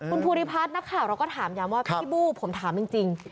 คุณภูริพัฒน์นักข่าวเราก็ถามย้ำว่าพี่บู้ผมถามจริง